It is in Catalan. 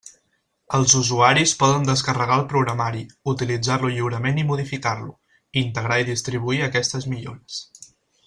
Els usuaris poden descarregar el programari, utilitzar-lo lliurement i modificar-lo, integrar i distribuir aquestes millores.